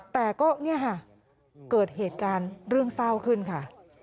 แต่ก็เนี่ยค่ะเกิดเหตุการณ์เรื่องเศร้าขึ้นค่ะ